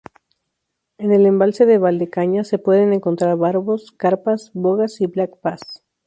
En el embalse de Valdecañas se pueden encontrar barbos, carpas, bogas y black bass.